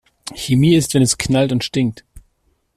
Chemie ist, wenn es knallt und stinkt.